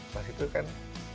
pas itu kan